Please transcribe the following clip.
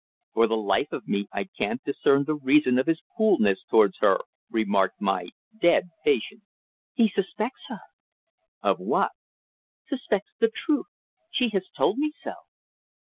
"For the life of me I can't discern the reason of his coolness towards her," remarked my "dead" patient. "He suspects her." "Of what?" "Suspects the truth. She has told me so."